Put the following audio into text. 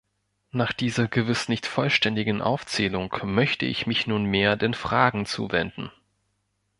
Nach dieser gewiss nicht vollständigen Aufzählung möchte ich mich nunmehr den Fragen zuwenden.